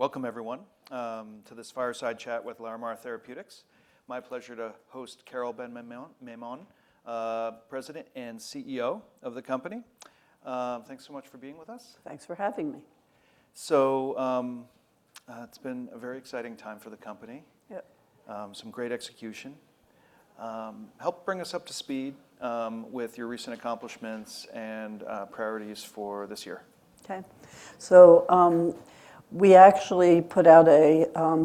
Welcome everyone, to this fireside chat with Larimar Therapeutics. My pleasure to host Carole Ben-Maimon, President and CEO of the company. Thanks so much for being with us. Thanks for having me. It's been a very exciting time for the company. Yep. Some great execution. Help bring us up to speed with your recent accomplishments and priorities for this year. Okay. We actually put out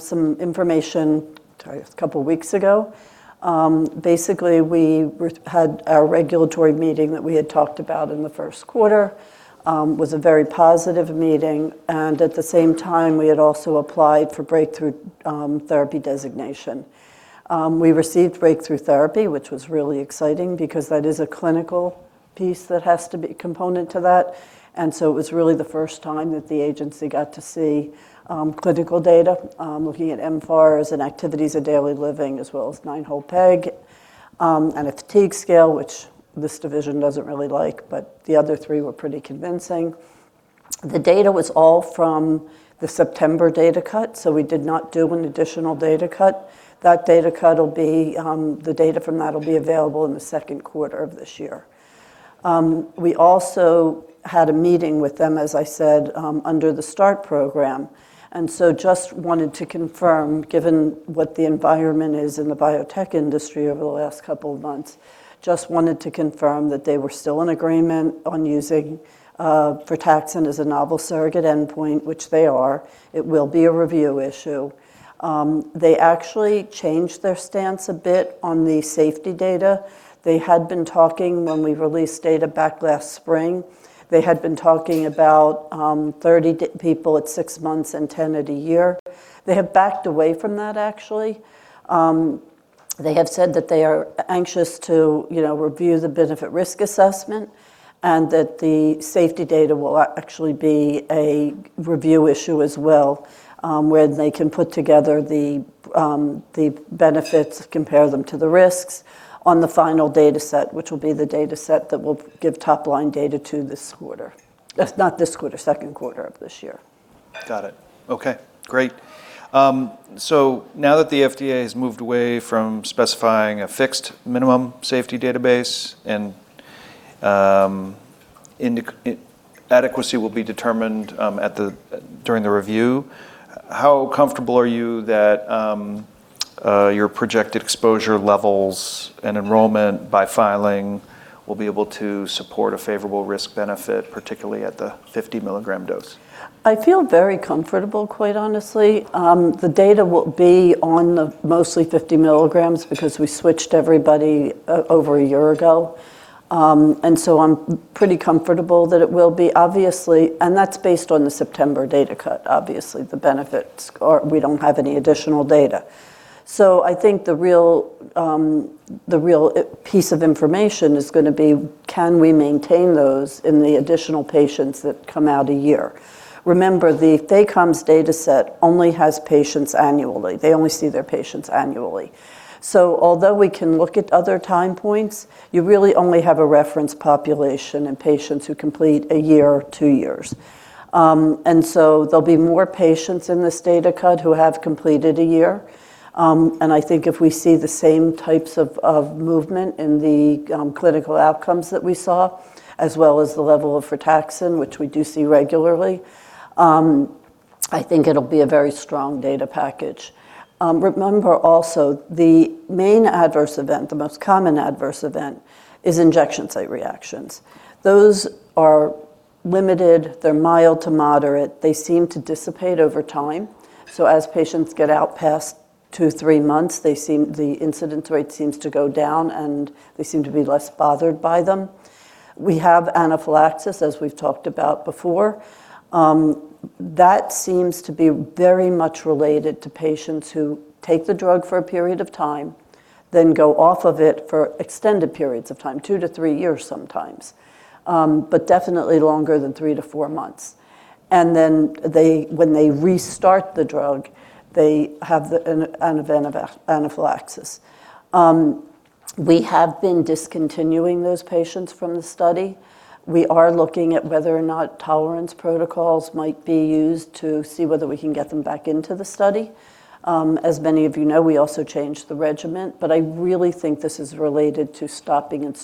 some information, sorry, it's a couple weeks ago. Basically we had our regulatory meeting that we had talked about in the first quarter was a very positive meeting, and at the same time, we had also applied for Breakthrough Therapy designation. We received Breakthrough Therapy, which was really exciting because that is a clinical piece that has to be component to that, and so it was really the first time that the agency got to see clinical data looking at mFARS and activities of daily living, as well as Nine-Hole Peg Test and a fatigue scale, which this division doesn't really like, but the other three were pretty convincing. The data was all from the September data cut, so we did not do an additional data cut. That data cut will be, the data from that will be available in the second quarter of this year. We also had a meeting with them, as I said, under the START program, and so just wanted to confirm, given what the environment is in the biotech industry over the last couple of months, just wanted to confirm that they were still in agreement on using, frataxin as a novel surrogate endpoint, which they are. It will be a review issue. They actually changed their stance a bit on the safety data. They had been talking when we released data back last spring, they had been talking about, 30 people at 6 months and 10 at a year. They have backed away from that actually. They have said that they are anxious to, you know, review the benefit-risk assessment and that the safety data will actually be a review issue as well, where they can put together the benefits, compare them to the risks on the final data set, which will be the data set that will give top-line data to this quarter. Not this quarter, second quarter of this year. Got it. Okay, great. Now that the FDA has moved away from specifying a fixed minimum safety database and adequacy will be determined during the review, how comfortable are you that your projected exposure levels and enrollment by filing will be able to support a favorable risk-benefit, particularly at the 50-mg dose? I feel very comfortable, quite honestly. The data will be mostly on the 50 mg because we switched everybody over a year ago. I'm pretty comfortable that it will be, obviously. That's based on the September data cut, obviously, the benefit score or we don't have any additional data. I think the real key piece of information is gonna be can we maintain those in the additional patients that come out a year. Remember, the FA-COMS data set only has patients annually. They only see their patients annually. Although we can look at other time points, you really only have a reference population in patients who complete a year or two years. There'll be more patients in this data cut who have completed a year, and I think if we see the same types of movement in the clinical outcomes that we saw, as well as the level of frataxin, which we do see regularly, I think it'll be a very strong data package. Remember also, the main adverse event, the most common adverse event, is injection site reactions. Those are limited. They're mild to moderate. They seem to dissipate over time. As patients get out past two, three months, the incidence rate seems to go down, and they seem to be less bothered by them. We have anaphylaxis, as we've talked about before. That seems to be very much related to patients who take the drug for a period of time, then go off of it for extended periods of time, two to three years sometimes, but definitely longer than three to four months. They, when they restart the drug, they have an event of anaphylaxis. We have been discontinuing those patients from the study. We are looking at whether or not tolerance protocols might be used to see whether we can get them back into the study. As many of you know, we also changed the regimen, but I really think this is related to stopping and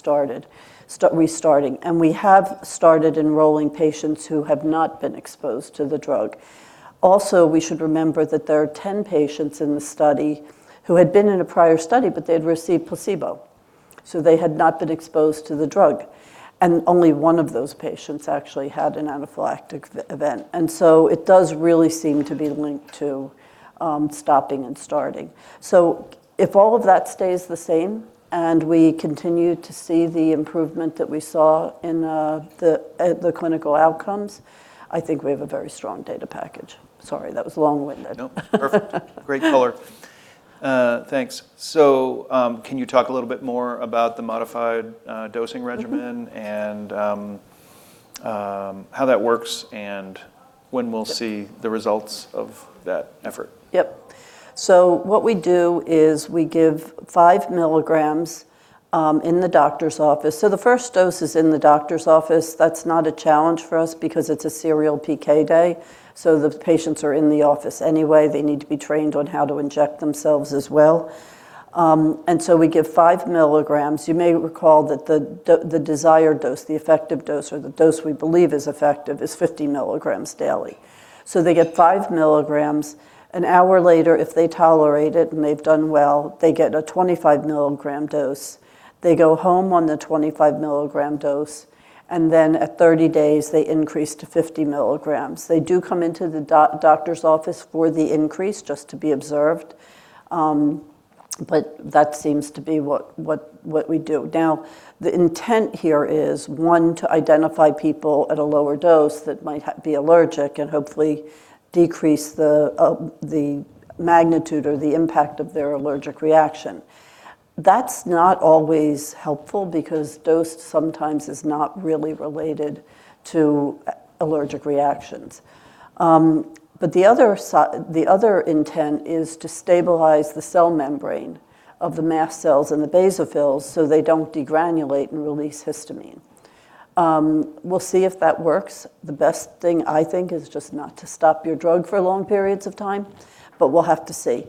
restarting. We have started enrolling patients who have not been exposed to the drug. Also, we should remember that there are 10 patients in the study who had been in a prior study, but they had received placebo, so they had not been exposed to the drug. Only one of those patients actually had an anaphylactic event. It does really seem to be linked to stopping and starting. If all of that stays the same and we continue to see the improvement that we saw in the clinical outcomes, I think we have a very strong data package. Sorry, that was long-winded. Nope. Perfect. Great color. Thanks. Can you talk a little bit more about the modified dosing regimen- Mm-hmm how that works and when we'll see. Yep the results of that effort? Yep. What we do is we give 5 mg in the doctor's office. The first dose is in the doctor's office. That's not a challenge for us because it's a serial PK day, so the patients are in the office anyway. They need to be trained on how to inject themselves as well. We give 5 mg. You may recall that the desired dose, the effective dose, or the dose we believe is effective is 50 mg daily. They get 5 mg. An hour later, if they tolerate it and they've done well, they get a 25 mg dose. They go home on the 25 mg dose, and then at 30 days, they increase to 50 mg. They do come into the doctor's office for the increase just to be observed, but that seems to be what we do. Now, the intent here is, one, to identify people at a lower dose that might be allergic and hopefully decrease the magnitude or the impact of their allergic reaction. That's not always helpful because dose sometimes is not really related to allergic reactions. The other intent is to stabilize the cell membrane of the mast cells and the basophils so they don't degranulate and release histamine. We'll see if that works. The best thing, I think, is just not to stop your drug for long periods of time, but we'll have to see.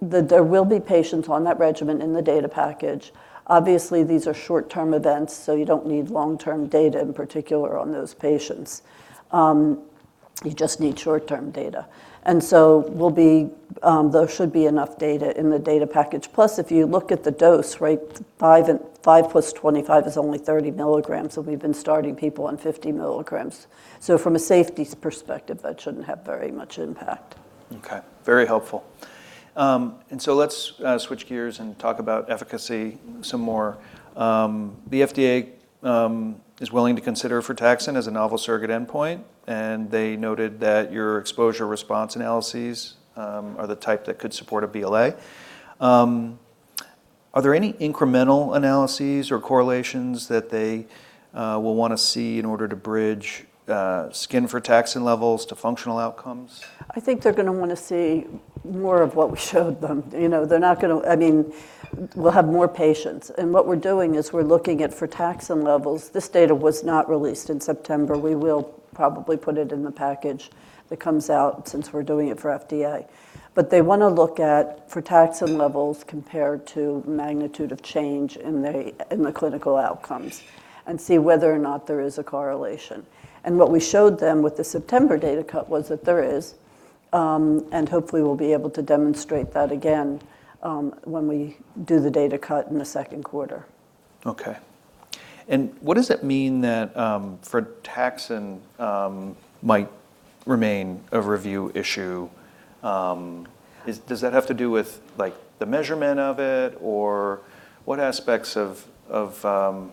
There will be patients on that regimen in the data package. Obviously, these are short-term events, so you don't need long-term data in particular on those patients. You just need short-term data. There should be enough data in the data package. Plus, if you look at the dose, right, 5 + 25 is only 30 mg, and we've been starting people on 50 mg. From a safety perspective, that shouldn't have very much impact. Okay. Very helpful. Let's switch gears and talk about efficacy some more. The FDA is willing to consider frataxin as a novel surrogate endpoint, and they noted that your exposure response analyses are the type that could support a BLA. Are there any incremental analyses or correlations that they will wanna see in order to bridge skin frataxin levels to functional outcomes? I think they're gonna wanna see more of what we showed them. You know, they're not gonna. I mean, we'll have more patients. What we're doing is we're looking at frataxin levels. This data was not released in September. We will probably put it in the package that comes out since we're doing it for FDA. They wanna look at frataxin levels compared to magnitude of change in the, in the clinical outcomes and see whether or not there is a correlation. What we showed them with the September data cut was that there is, and hopefully we'll be able to demonstrate that again, when we do the data cut in the second quarter. Okay. What does it mean that frataxin might remain a review issue? Does that have to do with, like, the measurement of it, or what aspects of frataxin?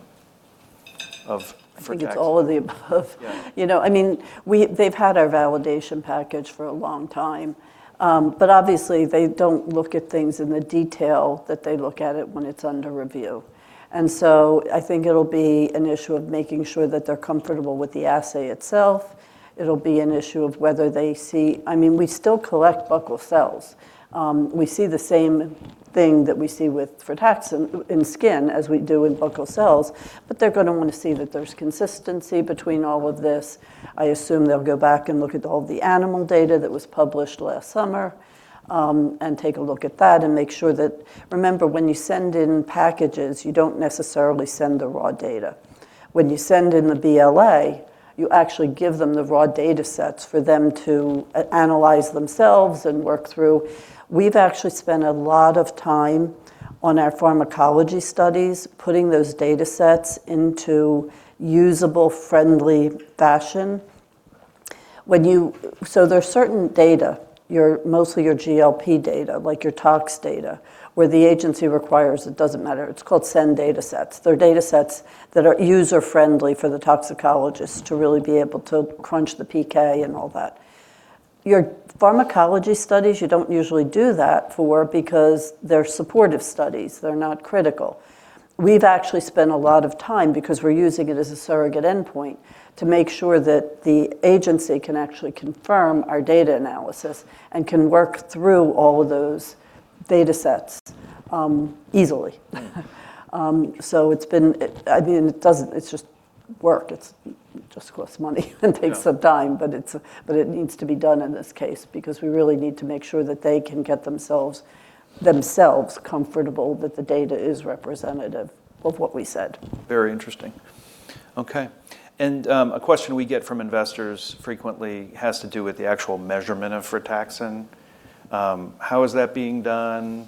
I think it's all of the above. Yeah. They've had our validation package for a long time, but obviously they don't look at things in the detail that they look at it when it's under review. I think it'll be an issue of making sure that they're comfortable with the assay itself. It'll be an issue of whether they see. I mean, we still collect buccal cells. We see the same thing that we see with frataxin in skin as we do in buccal cells, but they're gonna wanna see that there's consistency between all of this. I assume they'll go back and look at all the animal data that was published last summer, and take a look at that and make sure that. Remember, when you send in packages, you don't necessarily send the raw data. When you send in the BLA, you actually give them the raw datasets for them to analyze themselves and work through. We've actually spent a lot of time on our pharmacology studies putting those datasets into user-friendly fashion. There's certain data, mostly your GLP data, like your tox data, where the agency requires, it doesn't matter. It's called SEND datasets. They're datasets that are user-friendly for the toxicologist to really be able to crunch the PK and all that. Your pharmacology studies, you don't usually do that for because they're supportive studies. They're not critical. We've actually spent a lot of time because we're using it as a surrogate endpoint to make sure that the agency can actually confirm our data analysis and can work through all of those datasets easily. It's just work. It just costs money and takes up time. Yeah. It needs to be done in this case because we really need to make sure that they can get themselves comfortable that the data is representative of what we said. Very interesting. Okay. A question we get from investors frequently has to do with the actual measurement of frataxin. How is that being done?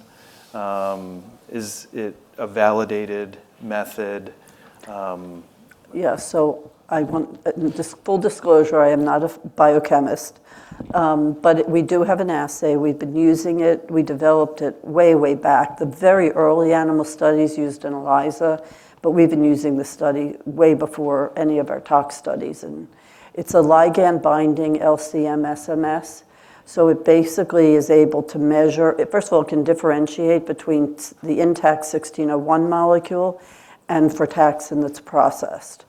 Yeah. I want full disclosure, I am not a biochemist. We do have an assay. We've been using it. We developed it way back. The very early animal studies used an ELISA, we've been using this study way before any of our tox studies, it's a ligand binding LC-MS/MS. It basically is able to measure. It first of all can differentiate between the intact CTI-1601 molecule and frataxin that's processed.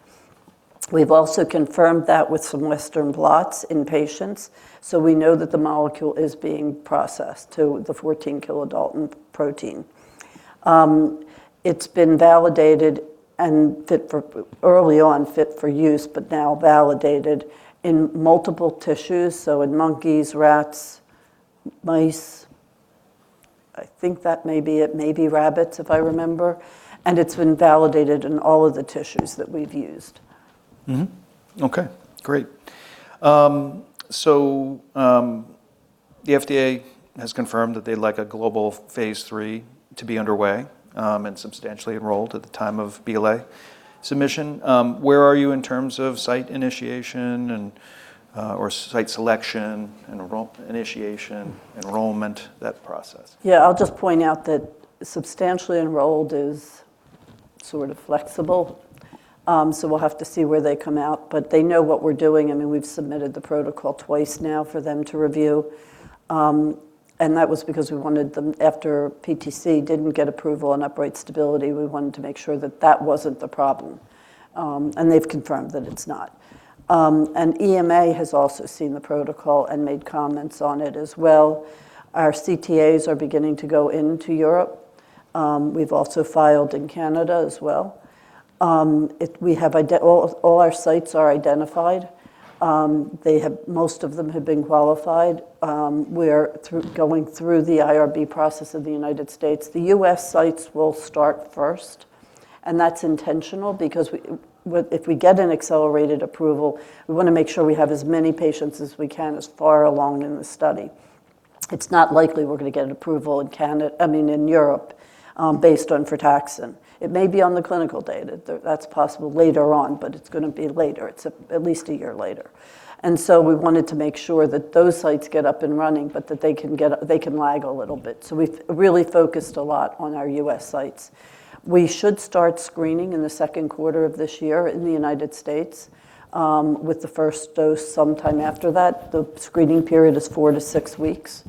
We've also confirmed that with some Western blots in patients, so we know that the molecule is being processed to the 14 kDa protein. It's been validated and fit for, early on, fit for use, now validated in multiple tissues, in monkeys, rats, mice. I think that may be it. Maybe rabbits, if I remember. It's been validated in all of the tissues that we've used. Okay, great. The FDA has confirmed that they'd like a global Phase III to be underway and substantially enrolled at the time of BLA submission. Where are you in terms of site initiation and/or site selection and initiation, enrollment, that process? Yeah. I'll just point out that substantially enrolled is sort of flexible. We'll have to see where they come out. They know what we're doing. I mean, we've submitted the protocol twice now for them to review. That was because we wanted them, after PTC didn't get approval on upright stability, to make sure that that wasn't the problem. They've confirmed that it's not. EMA has also seen the protocol and made comments on it as well. Our CTAs are beginning to go into Europe. We've also filed in Canada as well. We have all our sites identified. Most of them have been qualified. We're going through the IRB process in the United States. The U.S. sites will start first, and that's intentional because if we get an accelerated approval, we wanna make sure we have as many patients as we can as far along in the study. It's not likely we're gonna get an approval in I mean, in Europe, based on frataxin. It may be on the clinical data. That's possible later on, but it's gonna be later. It's at least a year later. We wanted to make sure that those sites get up and running, but that they can lag a little bit. We've really focused a lot on our U.S. sites. We should start screening in the second quarter of this year in the United States, with the first dose sometime after that. The screening period is four to six weeks.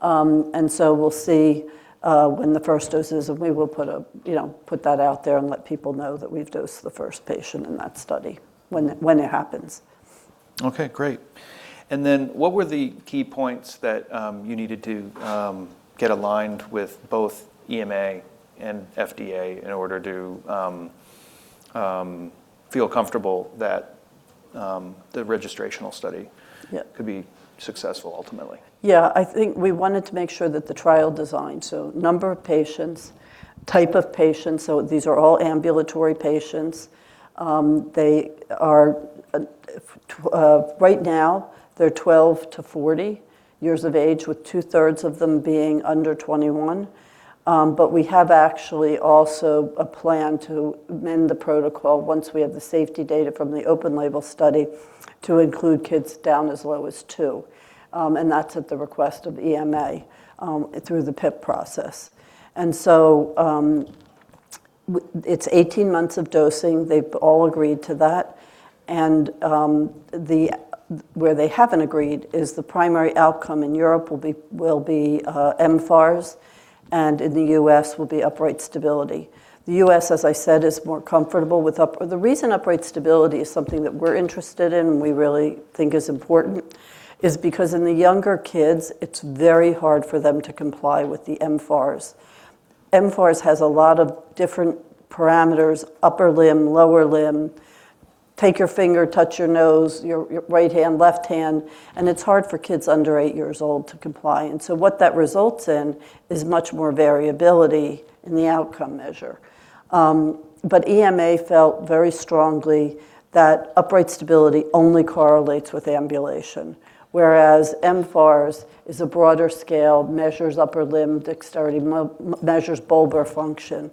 We'll see when the first dose is, and we will put that out there and let people know that we've dosed the first patient in that study when it happens. Okay, great. What were the key points that you needed to get aligned with both EMA and FDA in order to feel comfortable that the registrational study. Yeah Could be successful ultimately? Yeah. I think we wanted to make sure that the trial design, so number of patients, type of patients, so these are all ambulatory patients. They are right now 12-40 years of age, with two-thirds of them being under 21. We have actually also a plan to amend the protocol once we have the safety data from the open label study to include kids down as low as two, and that's at the request of EMA through the PIP process. It's 18 months of dosing. They've all agreed to that. Where they haven't agreed is the primary outcome in Europe will be mFARS and in the US will be upright stability. The U.S., as I said, is more comfortable with up. The reason upright stability is something that we're interested in and we really think is important is because in the younger kids, it's very hard for them to comply with the mFARS. mFARS has a lot of different parameters, upper limb, lower limb, take your finger, touch your nose, your right hand, left hand, and it's hard for kids under eight years old to comply. What that results in is much more variability in the outcome measure. But EMA felt very strongly that upright stability only correlates with ambulation, whereas mFARS is a broader scale, measures upper limb dexterity, measures bulbar function,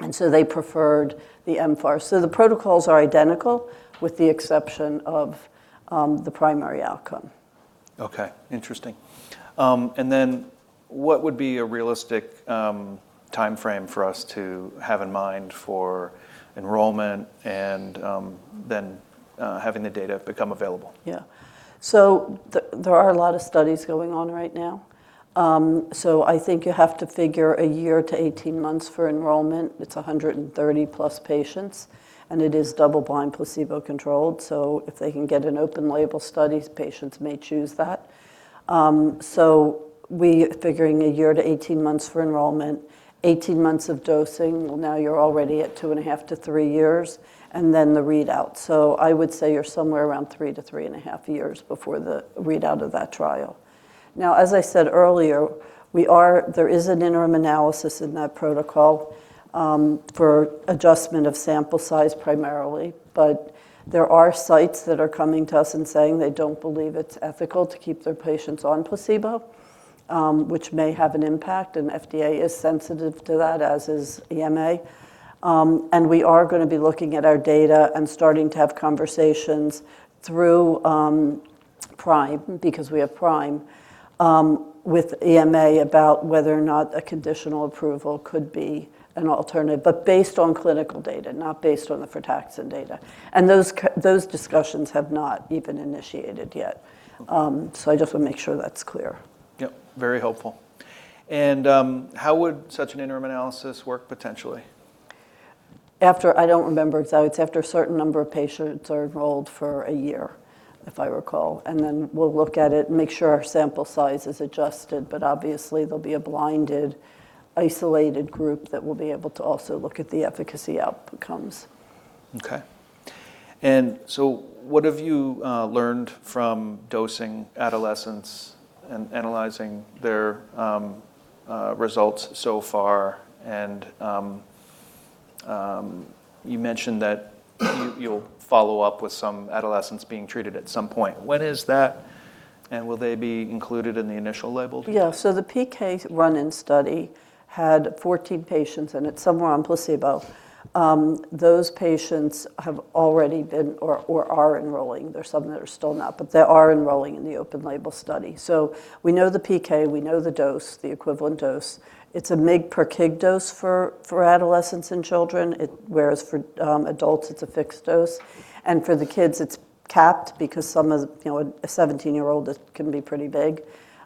and so they preferred the mFARS. The protocols are identical with the exception of the primary outcome. Okay. Interesting. What would be a realistic timeframe for us to have in mind for enrollment and then having the data become available? There are a lot of studies going on right now. I think you have to figure a year to 18 months for enrollment. It's 130+ patients, and it is double-blind placebo-controlled. If they can get open label studies, patients may choose that. We figuring a year to 18 months for enrollment, 18 months of dosing. Well, now you're already at 2.5 to three years, and then the readout. I would say you're somewhere around three to 3.5 years before the readout of that trial. Now, as I said earlier, there is an interim analysis in that protocol for adjustment of sample size primarily. There are sites that are coming to us and saying they don't believe it's ethical to keep their patients on placebo, which may have an impact, and FDA is sensitive to that, as is EMA. We are gonna be looking at our data and starting to have conversations through PRIME, because we have PRIME with EMA about whether or not a conditional approval could be an alternative, but based on clinical data, not based on the frataxin data. Those discussions have not even initiated yet. So I just wanna make sure that's clear. Yep. Very helpful. How would such an interim analysis work potentially? I don't remember exactly. It's after a certain number of patients are enrolled for a year, if I recall. We'll look at it and make sure our sample size is adjusted, but obviously there'll be a blinded, isolated group that will be able to also look at the efficacy outcomes. Okay. What have you learned from dosing adolescents and analyzing their results so far? You mentioned that you'll follow up with some adolescents being treated at some point. When is that? Will they be included in the initial label? Yeah. The PK run-in study had 14 patients in it, some were on placebo. Those patients have already been or are enrolling. There's some that are still not, but they are enrolling in the open label study. We know the PK, we know the dose, the equivalent dose. It's a mg per kg dose for adolescents and children. Whereas for adults it's a fixed dose. For the kids it's capped because some of you know, a 17-year-old can be pretty big.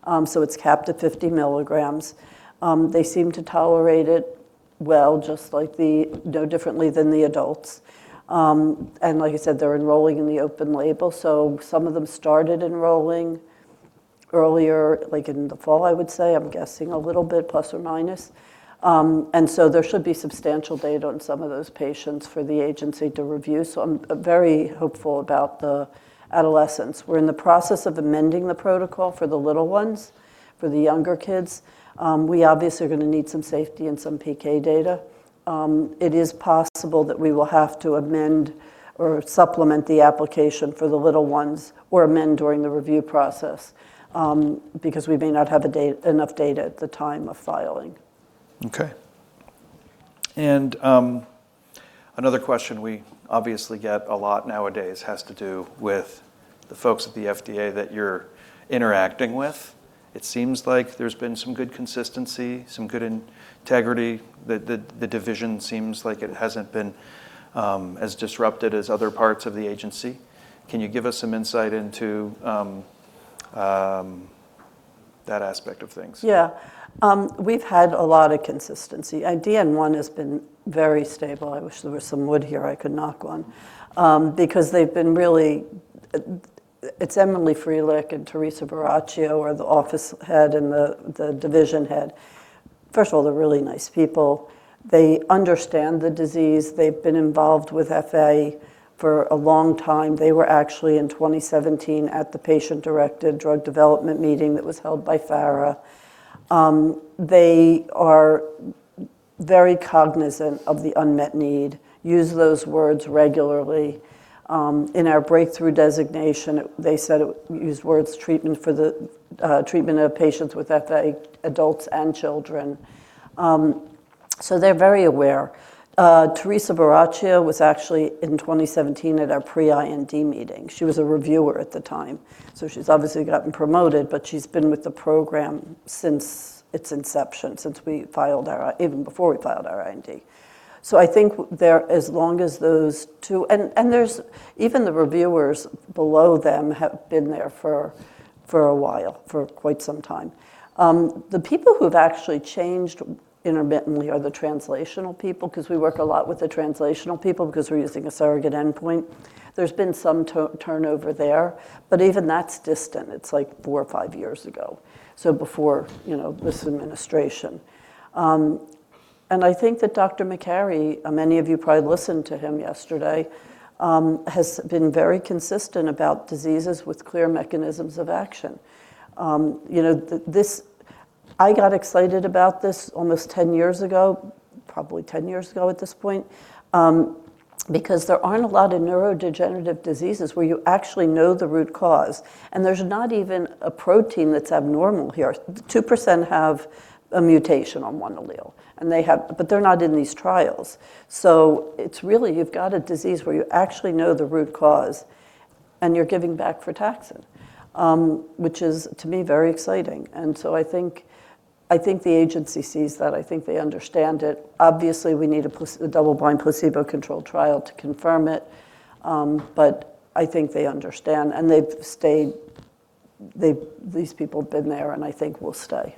It's capped at 50 mg. They seem to tolerate it well, no differently than the adults. Like I said, they're enrolling in the open label, so some of them started enrolling earlier, like in the fall, I would say. I'm guessing a little bit plus or minus. There should be substantial data on some of those patients for the agency to review, so I'm very hopeful about the adolescents. We're in the process of amending the protocol for the little ones, for the younger kids. We obviously are going to need some safety and some PK data. It is possible that we will have to amend or supplement the application for the little ones or amend during the review process, because we may not have enough data at the time of filing. Okay. Another question we obviously get a lot nowadays has to do with the folks at the FDA that you're interacting with. It seems like there's been some good consistency, some good integrity. The division seems like it hasn't been as disrupted as other parts of the agency. Can you give us some insight into that aspect of things? Yeah. We've had a lot of consistency. DN1 has been very stable. I wish there was some wood here I could knock on, because they've been really. It's Emily Freilich and Teresa Buracchio are the office head and the division head. First of all, they're really nice people. They understand the disease. They've been involved with FA for a long time. They were actually in 2017 at the patient-directed drug development meeting that was held by FARA. They are very cognizant of the unmet need, use those words regularly. In our breakthrough designation, they said used words treatment for the treatment of patients with FA, adults and children. They're very aware. Teresa Buracchio was actually in 2017 at our pre-IND meeting. She was a reviewer at the time, so she's obviously gotten promoted, but she's been with the program since its inception, even before we filed our IND. I think there, even the reviewers below them have been there for a while, for quite some time. The people who've actually changed intermittently are the translational people, because we work a lot with the translational people because we're using a surrogate endpoint. There's been some turnover there, but even that's distant. It's like four or five years ago, before, you know, this administration. I think that Dr. Makary, many of you probably listened to him yesterday, has been very consistent about diseases with clear mechanisms of action. You know, I got excited about this almost 10 years ago, probably 10 years ago at this point, because there aren't a lot of neurodegenerative diseases where you actually know the root cause, and there's not even a protein that's abnormal here. 2% have a mutation on one allele, but they're not in these trials. It's really you've got a disease where you actually know the root cause and you're giving back frataxin, which is, to me, very exciting. I think the agency sees that. I think they understand it. Obviously, we need a double-blind placebo-controlled trial to confirm it, but I think they understand, and they've stayed. These people have been there, and I think will stay.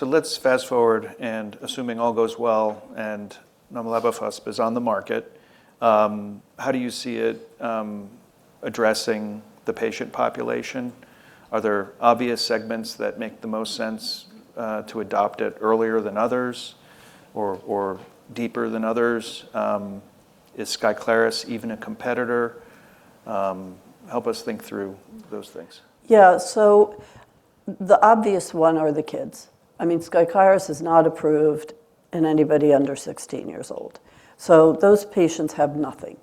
Let's fast-forward, and assuming all goes well and nomlabofusp is on the market, how do you see it addressing the patient population? Are there obvious segments that make the most sense to adopt it earlier than others or deeper than others? Is Skyclarys even a competitor? Help us think through those things. Yeah. The obvious one are the kids. I mean, Skyclarys is not approved in anybody under 16 years old, so those patients have nothing.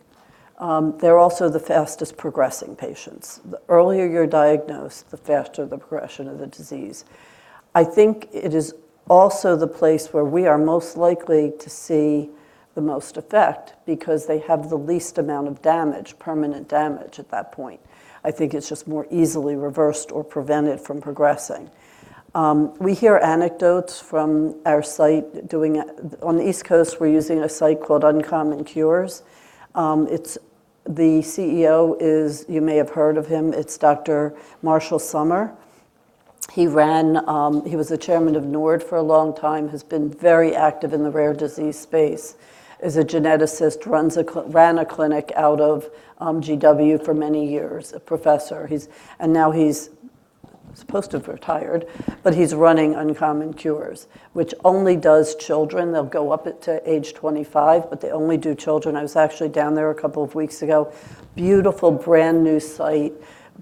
They're also the fastest progressing patients. The earlier you're diagnosed, the faster the progression of the disease. I think it is also the place where we are most likely to see the most effect because they have the least amount of damage, permanent damage at that point. I think it's just more easily reversed or prevented from progressing. We hear anecdotes from our site. On the East Coast, we're using a site called Uncommon Cures. The CEO is, you may have heard of him, Dr. Marshall Summar. He ran, he was the chairman of NORD for a long time, has been very active in the rare disease space, is a geneticist, ran a clinic out of GW for many years, a professor. He's supposed to have retired, but he's running Uncommon Cures, which only does children. They'll go up to age 25, but they only do children. I was actually down there a couple of weeks ago. Beautiful brand new site,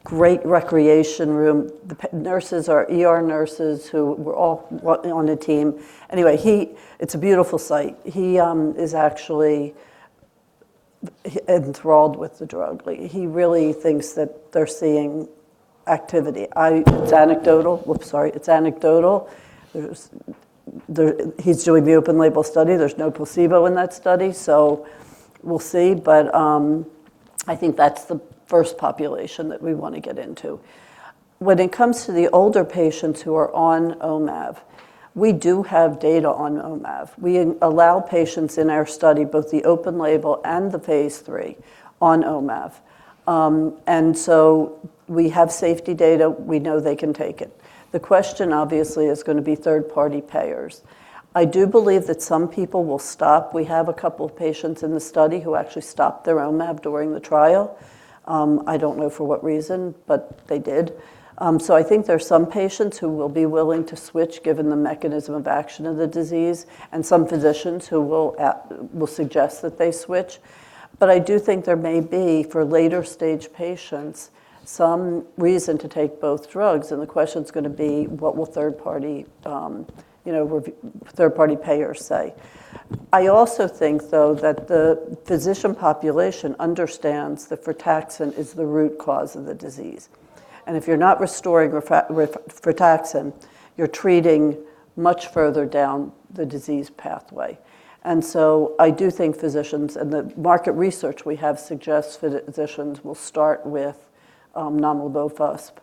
great recreation room. The nurses are ER nurses who were all on a team. Anyway, it's a beautiful site. He is actually enthralled with the drug. Like, he really thinks that they're seeing activity. It's anecdotal. Whoops, sorry. It's anecdotal. There's He's doing the open label study. There's no placebo in that study, so we'll see. I think that's the first population that we wanna get into. When it comes to the older patients who are on OMAV, we do have data on OMAV. We allow patients in our study, both the open label and the Phase III on OMAV. We have safety data. We know they can take it. The question, obviously, is gonna be third-party payers. I do believe that some people will stop. We have a couple of patients in the study who actually stopped their OMAV during the trial. I don't know for what reason, but they did. I think there are some patients who will be willing to switch given the mechanism of action of the disease and some physicians who will suggest that they switch. I do think there may be, for later stage patients, some reason to take both drugs, and the question's gonna be, what will third party payers say? I also think, though, that the physician population understands that frataxin is the root cause of the disease, and if you're not restoring frataxin, you're treating much further down the disease pathway. I do think physicians and the market research we have suggests physicians will start with nomlabofusp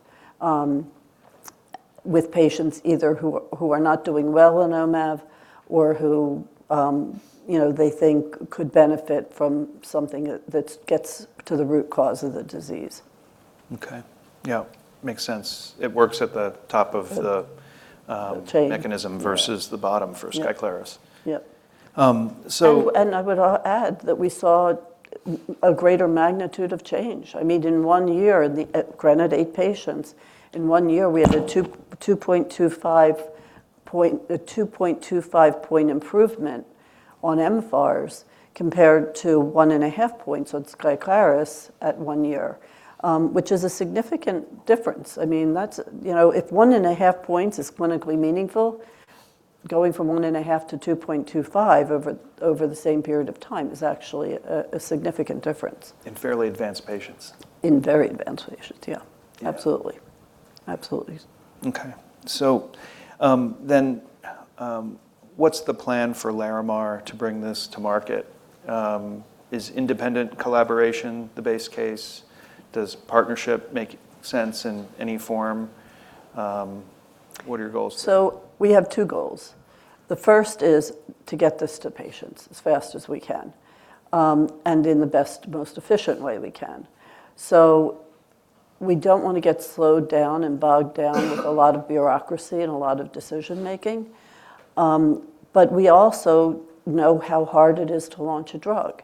with patients either who are not doing well on omaveloxolone or who, you know, they think could benefit from something that gets to the root cause of the disease. Okay. Yeah. Makes sense. It works at the top of the. Chain mechanism versus the bottom for Skyclarys. Yep. Yep. Um, so- I would add that we saw a greater magnitude of change. I mean, in one year, granted eight patients, in one year, we had a 2.25 point improvement on mFARS compared to 1.5 points on Skyclarys at one year, which is a significant difference. I mean, that's, you know, if 1.5 points is clinically meaningful, going from 1.5 to 2.25 over the same period of time is actually a significant difference. In fairly advanced patients. In very advanced patients, yeah. Yeah. Absolutely. Okay. What's the plan for Larimar to bring this to market? Is independent collaboration the base case? Does partnership make sense in any form? What are your goals? We have two goals. The first is to get this to patients as fast as we can, and in the best, most efficient way we can. We don't wanna get slowed down and bogged down with a lot of bureaucracy and a lot of decision-making. We also know how hard it is to launch a drug.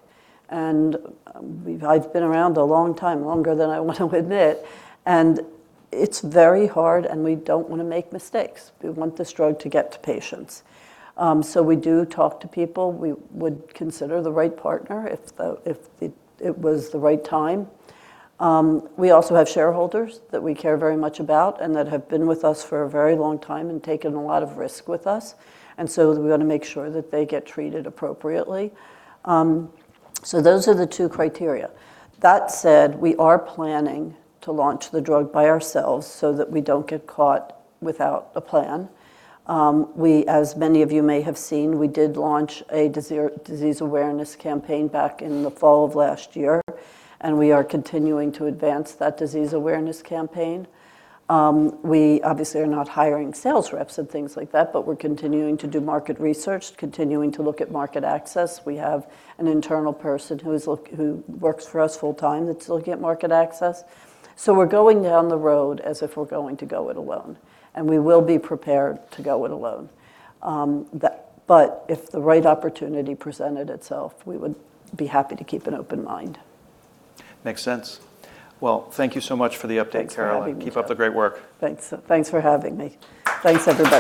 I've been around a long time, longer than I want to admit, and it's very hard, and we don't wanna make mistakes. We want this drug to get to patients. We do talk to people. We would consider the right partner if it was the right time. We also have shareholders that we care very much about and that have been with us for a very long time and taken a lot of risk with us, and so we wanna make sure that they get treated appropriately. Those are the two criteria. That said, we are planning to launch the drug by ourselves so that we don't get caught without a plan. We, as many of you may have seen, we did launch a disease awareness campaign back in the fall of last year, and we are continuing to advance that disease awareness campaign. We obviously are not hiring sales reps and things like that, but we're continuing to do market research, continuing to look at market access. We have an internal person who works for us full-time that's looking at market access. We're going down the road as if we're going to go it alone, and we will be prepared to go it alone. If the right opportunity presented itself, we would be happy to keep an open mind. Makes sense. Well, thank you so much for the update, Carole. Thanks for having me. Keep up the great work. Thanks. Thanks for having me. Thanks, everybody.